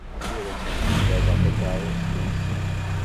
Ur asent-ddaleɣ takeṛṛust-nsent.